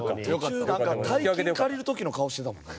途中なんか大金借りる時の顔してたもんな。